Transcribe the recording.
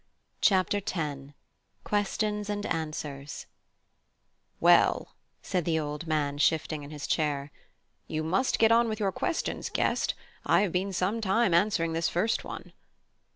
CHAPTER X: QUESTIONS AND ANSWERS "Well," said the old man, shifting in his chair, "you must get on with your questions, Guest; I have been some time answering this first one."